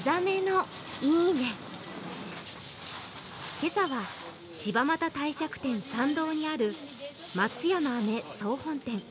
今朝は、柴又帝釈天参道にある松屋の飴総本店。